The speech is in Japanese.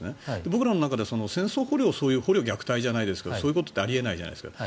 僕らの中では戦争捕虜をそういう虐待じゃないですがそういうことってあり得ないじゃないですか。